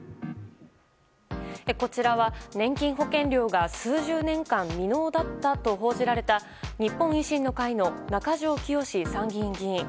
こちらは年金保険料が数十年間未納だったと報じられた日本維新の会の中条きよし参議院議員。